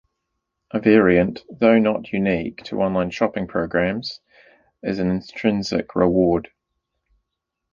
A variant, though not unique to online shopping programs, is the intrinsic reward.